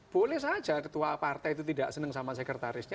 boleh saja ketua partai itu tidak senang sama sekretarisnya